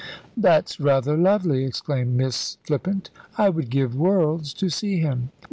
"That's rather lovely!" exclaimed Miss Flippant. "I would give worlds to see him."